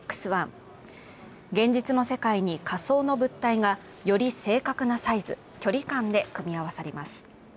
現実の世界に仮想の物体がより正確なサイズ、距離感で組み合わされます。